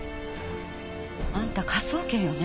あんた科捜研よね。